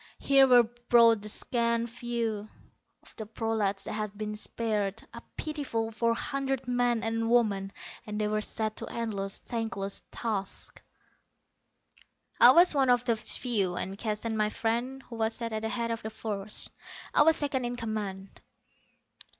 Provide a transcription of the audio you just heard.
Here were brought the scant few of the prolats that had been spared, a pitiful four hundred men and women, and they were set to endless, thankless tasks._ _I was one of those few; and Keston, my friend, who was set at the head of the force. I was second in command.